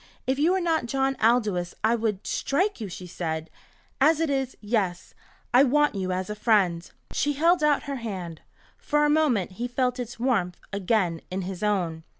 "If you were not John Aldous I would strike you," she said. "As it is yes I want you as a friend." She held out her hand. For a moment he felt its warmth again in his own.